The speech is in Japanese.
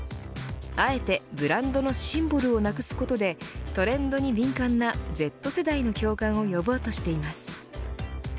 あえてブランドのシンボルをなくすことでトレンドに敏感なＺ世代の共感を呼ぼうとしています。